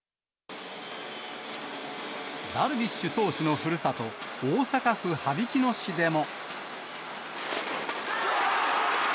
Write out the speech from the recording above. ダルビッシュ投手のふるさと、大阪府羽曳野市でも。